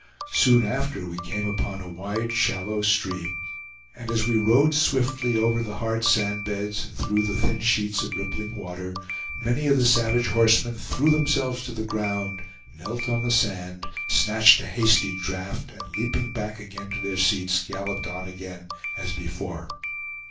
Soon after we came upon a wide shallow stream, and as we rode swiftly over the hard sand beds and through the thin sheets of rippling water, many of the savage horsemen threw themselves to the ground, knelt on the sand, snatched a hasty draught, and leaping back again to their seats, galloped on again as before.